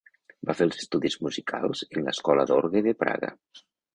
Va fer els estudis musicals en l'escola d'orgue de Praga.